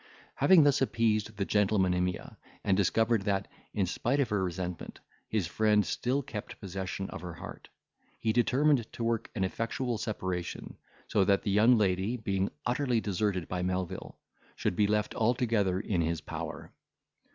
Having thus appeased the gentle Monimia, and discovered that, in spite of her resentment, his friend still kept possession of her heart, he determined to work an effectual separation, so as that the young lady, being utterly deserted by Melvil, should be left altogether in his power.